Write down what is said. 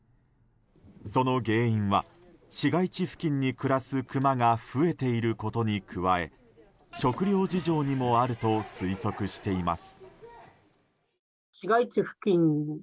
その原因は、市街地付近で暮らすクマが増えていることに加え食糧事情にもあると推測しています。